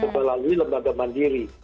melalui lembaga mandiri